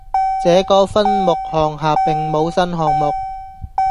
這個分目項下並無新項目